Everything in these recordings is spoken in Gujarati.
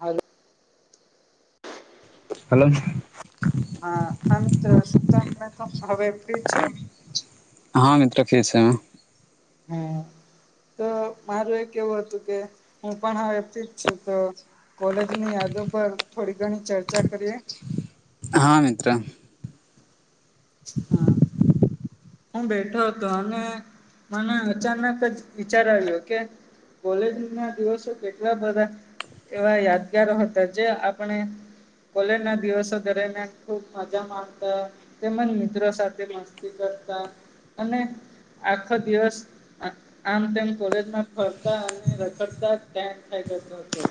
હલો. હલો. હા, હા મિત્ર શું તમે તો હવે ફ્રી છો? હા, મિત્રો કેહશે હા. હમ્મ, તો મારું એ કેવું હતું કે હું પણ હથી છું તો કોલેજની યાદો પર થોડી ઘણી ચર્ચા કરીએ. હા, મિત્ર. હા. હું બેઠો હતો અને મને અચાનક જ વિચાર આવ્યો કે કોલેજના દિવસો કેટલા બધા એવા યાદગારો હતા. જે આપણે કોલેજના દિવસો દરમિયાન ખૂબ મજા માનતા. તેમજ મિત્રો સાથે મસ્તી કરતા અને આખો દિવસ આમ તેમ કોલેજમાં ફરતા અને રખડતા જ ટાઈમ થઈ જતો.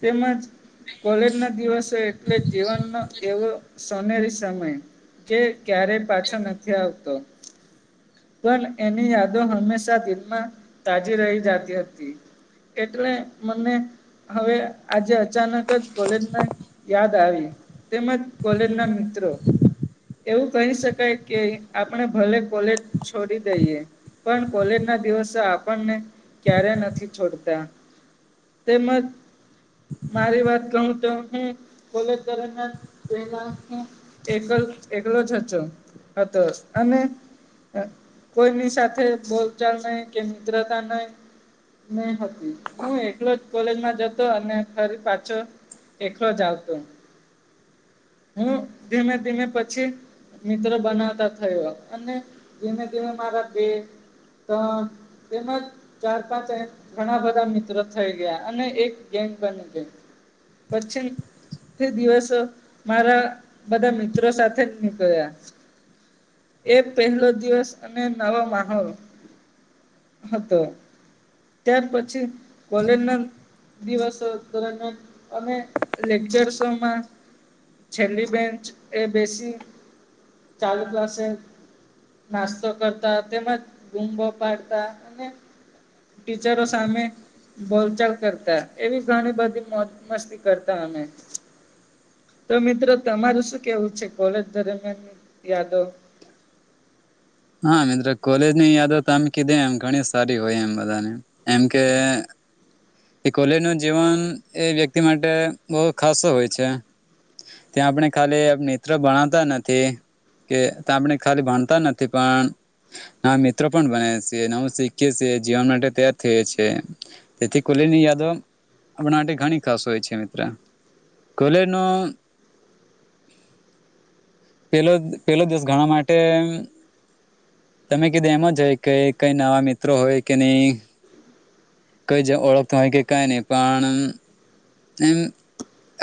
તેમજ કોલેજના દિવસો એટલે જીવનનો એવો સોનેરી સમય જે ક્યારેય પાછો નથી આવતો. પણ એની યાદો હંમેશા દિલમાં તાજી રહી જતી હતી. એટલે મને હવે આજે અચાનક જ કોલેજની યાદ આવી તેમજ કોલેજના મિત્રો, એવું કહી શકાય કે આપણે ભલે કોલેજ છોડી દઈએ પણ કોલેજ ના દિવસે આપણને ક્યારે નથી છોડતા તેમજ મારી વાત કહું તો હું કોલેજ દરમિયાન પહેલા એકલ એકલો જ હતો હતો અને કોઈની સાથે બોલચાલ નહી કે મિત્રતા નહી નહી હતી હું એકલોજ કોલેજમાં જતો અને ફરી પાછો એકલો જ આવતો હું ધીમે ધીમે પછી મિત્ર બનાવ તો થયો અને ધીમે ધીમે મારા બે ત્રણ તેમજ ચાર પાંચ ઘણા બધા મિત્રો થઈ ગયા અને એક ગેંગ બની ગઈ. પછી તે દિવસો મારા બધા મિત્રો સાથે જ નીકળ્યા એ પહેલો દિવસ અને નવો માહોલ હતો, ત્યાર પછી કોલેજના દિવસો દરમિયાન અમે લેકચરસોમાં છેલ્લી બેન્ચ એ બેસી ચાલુ ક્લાસે નાસ્તો કરતા, તેમજ બૂમો પાડતા અને ટીચરો સામે બોલચાલ કરતા, એવી ઘણી બધી મોજ મસ્તી કરતા અમે તો મિત્રો તમારું શું કેવું છે, કોલેજ દરમિયાન યાદો? હા મિત્ર, કોલેજ ની યાદો આમ કીધે એમ ઘણી સારી હોય એમ બધાને એમ કે એ કોલેજ નું જીવન એ વ્યક્તિ માટે બહુ ખાસો હોય છે ત્યાં આપણે ખાલી મિત્ર ભણાવતા નથી કે આપણે ખાલી ભણતા નથી પણ ના મિત્રો પણ બને છે નવું શીખએ છે જીવન માટે તૈયાર થય છે કોલેજ ની યાદો આપણા માટે ઘણી ખાસ હોય છે મિત્ર કોલેજ નો પેલો પેલો દિવસ ઘણા માટે તમે કીધું એમ જ હોય કે કઈ નવા મિત્રો હોય કે નહીં કઈ જ ઓળખત હોય કે કઈ નહી પણ એમ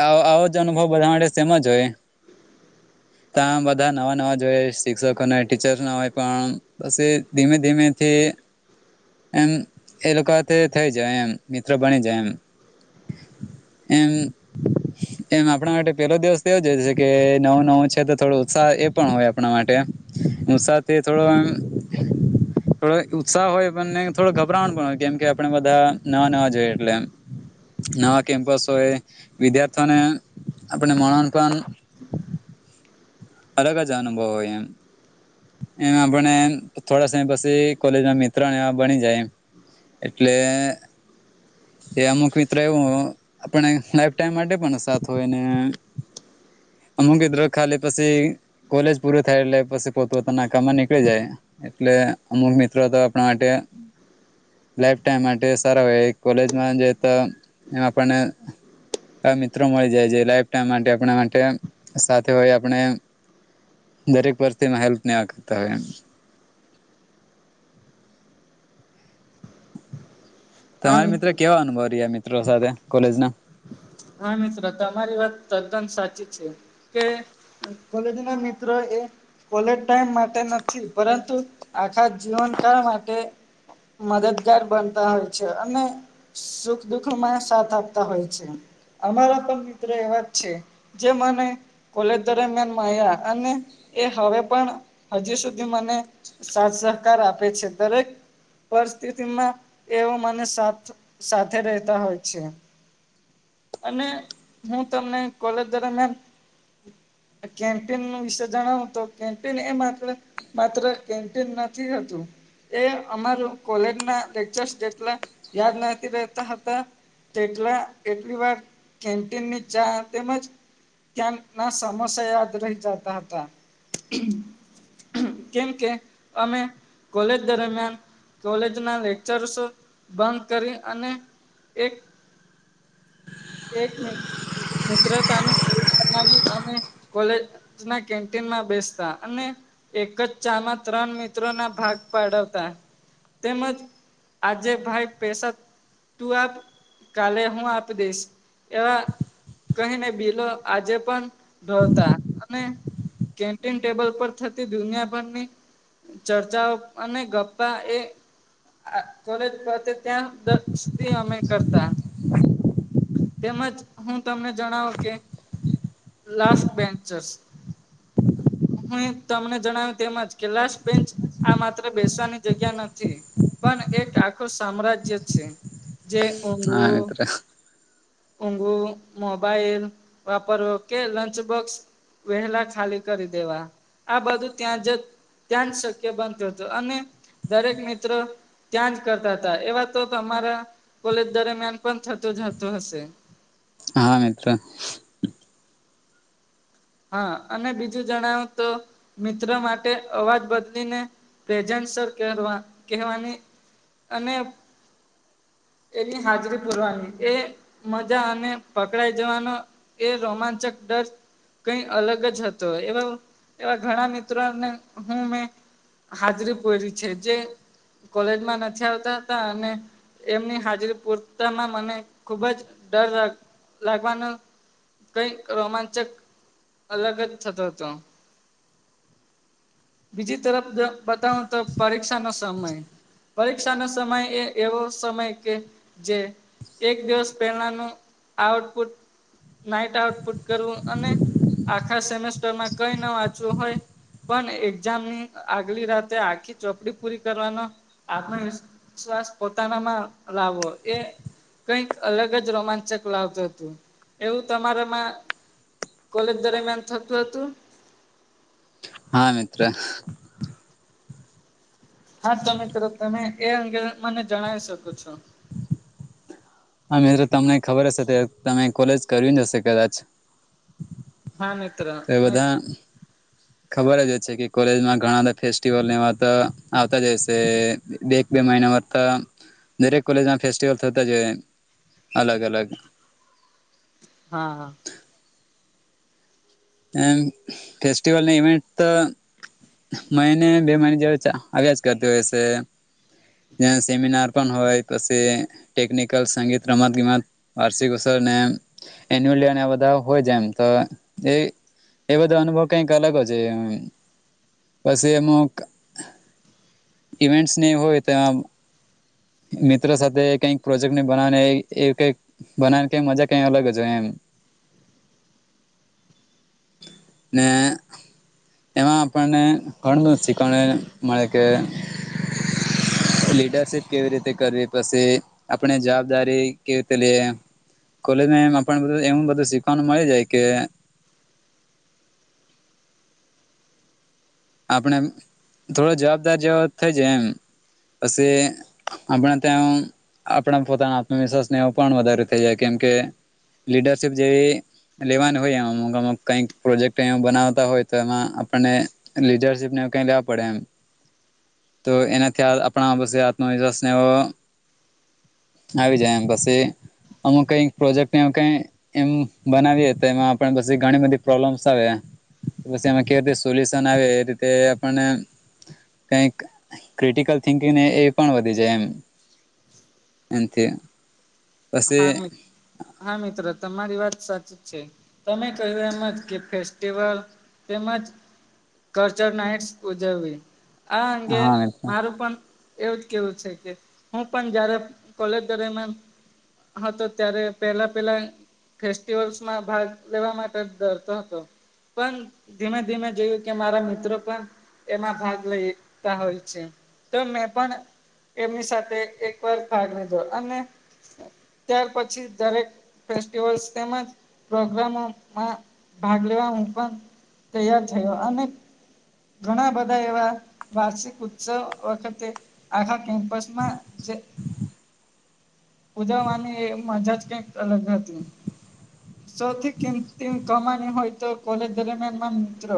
આવો જ અનુભવ બધા માટે સેમ જ હોય [inaudible] ત્યાં બધા નવા નવા જોઈએ શિક્ષકોને હોય ટીચર્સ ના હોય પણ પછી ધીમે ધીમેથી એમ એ લોકોથી થઈ જાય એમ મિત્ર બની જાય એમ એમ [inaudible] એમ આપણા માટે પેલો દિવસ તો એવોજ હોય છે કે નવું નવું છે તો થોડો ઉત્સાહ એ પણ હોય આપણા માટે ઉત્સાહથી થોડો આમ થડો ઉત્સાહ હોય પણ થોડો ગભરાણ પણ હોય કેમ કે આપણે બધા ન નવા જોઈએ એટલે નવા કેમ્પસ હોય વિદ્યાર્થીઓને આપણને મહાન પણ અલગ જ અનુભવ હોય એમ એમ આપણે થોડા સમય પછી કોલેજમાં મિત્ર ને એવાં બની જાય એમ એટલે એ ત્યાં અમુખ મિત્ર એવું હ આપણે લાઈફ ટાઈમ માટે પણ સાથ હોય ને અમુકી મિત્રો ખાલી પછી કોલેજ પૂરો થાય એટલે પછી પોત પોતાના કામમાં નીકળી જાય એટલે અમુક મિત્રો તો આપણાં માટે લાઈફ ટાઈમ માટે સારાં હોય કોલેજમાં જાય તો પણે મિત્રો મળી જાય છે લાઈફ ટાઈમ માટે આપણા માટે સાથે હોય આપણે દરેક ભરતીના હેલ્પ નહીં કરતાં હોય એમ હા તમારે મિત્ર મિત્રો કેવાં અનુભવ રહ્યાં મિત્રો સાથે કોલેજ ના હા મિત્ર તમારી વાત તદ્દન સાચી છે કે કોલેજ ના મિત્ર એ કોલેજ ટાઈમ માટે નથી પરંતુ આખાં જીવનકાળ માટે મદદગાર બનતાં હોય છે અને સુખ દુઃખમાં સાથ આપતા હોય છે અમારાં પણ મિત્રો એવાં જ છે જે મને કોલેજ દરમિયાન મળ્યા અને એ હવે પણ હજી સુધી મને સાથ સહકાર આપે છે દરેક પરિસ્થિતિમાં તેઓ મને સાથ સાથે રહેતાં હોય છે અને હું તમને કોલેજ દરમિયાન કેન્ટીનની વિશે જણાવ તો કેન્ટીન એ માત્ર માત્ર કેન્ટીન નથી હોતું એ અમાર કોલેજ ના લેકચર જેટલાં યાદ નથી રહેતા હોતાં તેટલા એટલી વાર કેન્ટીનની ચા તેમજ ત્યાં ના સમસા યાદ રહીં જતાં હતાં કેમકે અમે કોલેજ દરમિયાન કોલેજ નાં લેક્ચસો બંક કરી અને, એક એક મી મિત્રતા નો [unintelligible] બનાવી અમે કોલેજ ના કેન્ટીનમાં બેસતાં અને એક જ ચા માં ત્રણ મિત્રો નાં ભાગ પાડાવતા તેમજ આજે ભાઈ પૈસદ તું આપ, કાલે હું આપી દઈશ, એવાં કહીંને બિલો આજે પણ ઢોળતા અને કેન્ટીન ટેબલ પર થતી દુનિયાભરની ચર્ચાઓ, અને ગપ્પા એ આ કોલેજ પટે ત્યાં દ સુધી અમે કરતાં તેમજ હું તમને જણાવું કે લાસ્ટ બેન્ચર્સ હું ઇ તમને જણાવ્યું તેમજ, કે લાસ્ટ બેન્ચ આ માત્ર બેસાવાની જગ્યા નથી, પણ એક આખું સામ્રાજ્ય છે. જે હા ઊંઘવું મિત્ર, ઊંઘવું, મોબાઈલ વાપરો કે લંચ બોક્ષ વહેલા ખાલી કરી દેવાં, આ બધું ત્યાં જદ ત્યાંજ શક્ય બનતું હતું, અને દરેક મિત્ર ત્યાંજ કરતાં હતાં, એવા તો તમારાં કોલેજ દરમિયાન પણ થતુંજ હતું હશે હા મિત્ર હા, અને બીજું જણાવું તો મિત્ર માટે અવાજ બદલીને પ્રેજસ સર કરવા કહેવાની અને એની હાજરી પુરવાની એ મજા અને પકડાઈ જવાનો એ રોમાંચક ડર. કઈ અલગ જ હતો, એવો એવા ઘણા મિત્રોને હું મેં હાજરી પોરી છે, જે કોલેજમાં નથી આવતા હતા અને એમની હાજરી પૂરતામાં મને ખુબ જ ડર લાગ લાગવાનો કઈ રોમાંચક. અલગજ થતો હતો. બીજી તરફ દ બતાવું તો પરીક્ષા નો સમય પરીક્ષા નો સમય એ એવો સમય કે જે. એક દિવસ પહેલાનું આઉટપુટ, નાઈટ આઉટપુટ કરવું અને આખા સેમેસ્ટર માં કઈ ન વાંચવું હોય. પણ એક્ઝામની આગલી રાતે આખી ચોપડી પૂરી કરવાનો આત્મ વીશ્વાસ પોતાનામાં લાવો એ. કઈક અલગ જ રોમાંચક લાવતું હતું, એવું તમારામાં કોલેજ દરમિયાન થતું હતું? હા મિત્ર હા તો મિત્રો તમે એ અંગે મને જણાવી શકો છો. હા મિત્રો તમને ખબર હશે, ત્યારે તમે કોલેજ કર્યું ની હશે કદાચ હા મિત્ર તે મે બધા [inaudible] ખબર જ હો છે કે કોલેજમાં ઘણા બધા ફેસ્ટિવલ ને એવા તો આવતા જ હોય શે બે મહિના મળતા દરેક કોલેજમાં ફેસ્ટિવલ થતા જ અલગ અલગ. હા હા. એ ફેસ્ટીવલની ઇવેન્ટ તો મહિને બે મહિને જે આયાજ કરતી હોય છે. ત્યાં સેમિનાર પણ હોય પછી ટેકનિકલ સંગીત રમત ગમત વાર્ષિક ઉત્સવ એન્યુલ બધા હોય એમ તો એ એ બધો અનુભવ કઈક અલગ છે પછી અમૂક ઇવેન્ટસ ને એ હોય તો. મિત્રો સાથે કઈક પ્રોજેક્ટને બનાવને એ કઈક બનાવ કઈ મજા કઈ અલગ જ છે હોય એમ. [inaudible] ને. એમાં આપણને ઘણું બધું શીખવણ મળે કે લીડરશિપ કેવી રીતે કરવી પછી આપણે જવાબદારી કેવી રીતે લઈએ કોલેજમાં એમને બધું એવું બધું શીખવાનું મળી જાય કે. આપણે થોડો જવાબદાર જેવો થઈ જાય એમ. પછી આપણા ત્યા આપણા પોતાના આત્મવિશ્વાસને પણ વધારે થઈ જાય કેમ કે લીડરશીપ જેવી લેવાનું હોય એમાં અમુક અમ કઈક પ્રોજેક્ટ બનાવતા હોય તો એમાં આપણને લીડરશીપ ને કઈ લેવા પડે એમ તો એનાથી આપણા બસે આત્મવિશ્વાસ ને એવો આવી જાય એમ પછી અમુક કઈક પ્રોજેક્ટને કઈ એમ બનાવીએ તો એમાં પી ઘણી બધી પ્રોબ્લેમ્સ આવે પછી એમાં કેવી રીતે સોલ્યુશન આવે એ રીતે. આપણને કક ક્રિટિકલ થિંકિંગને એ પણ વધી જાય એમ. એનથી હા હા મિત્રો તમારી વાત સાચી છે તમે કહ્યું એમ જ કે ફેસ્ટિવલ તેમજ કલ્ચર નાઇટ્સ ઉજવવી આ અંગે હા મિત્ર મારું પણ એવું જ કેવું છે કે હું પણ જયારે કોલેજ દરમિયાન હા તો ત્યારે પેલા પેલા ફેસ્ટિવલ્સમાં ભાગ લેવા માટે ડરતો હતો પણ ધીમે ધીમે જોયું કે મારા મિત્રો પણ એમાં ભાગ લેતા હોય છે તો મેં પણ એમની સાથે એક વાર ભાગ લીધો અને ત્યાર પછી દરેક ફેસ્ટિવસ તેમજ પ્રોગ્રામોમાં ભાગ લેવા હું પણ તૈયાર થયો અને ઘણા બધા એવા વાર્ષિક ઉત્સવ વખતે આખા કેમ્પસમાં જે ઉજવવા ની એ મજા જ કઈક અલગ હતી સૌથી કિંમતી કમાની હોય તો કોલેજ દરમિયાના મિત્રો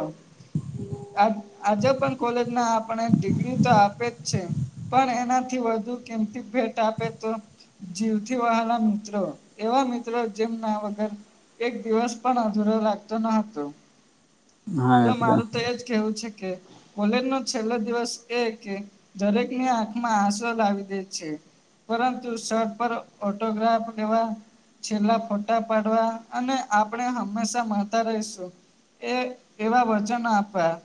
આજે પણ કોલેજમાં આપને ડિગ્રી તો આપે જ છે. પણ એનાથી વધુ કિંમતી ભેટ આપે તો? જીવથી વ્હાલા મિત્રો એવા મિત્રો જેમ ના એક દિવસ પણ અધૂરો લાગતો ન હતો. હા તો મિત્ર મારું તો એજ કેવું છે કે, કોલેજ નો છેલ્લો દિવસ એ કે દરેકની આંખમાં આંસુ લાવી દે છે. પરંતુ સર પર ઓટોગ્રાફ લેવા છેલ્લા ફોટા પાડવા અને આપણે હંમેશા મળતા રહીશું. એ એવા વચન આપ્યા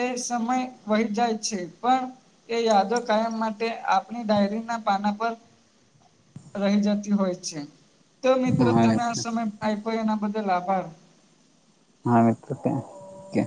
એ સમય વહી જાય છે પણ! એ યાદો કાયમ માટે આપણી ડાયરીના પાના પર. રહી જતી હોય છે. તો મિત્રો હા તમે આ મિત્ર તો આપ્યો એના બદલ આભાર! [unintelligible] હિતિત કે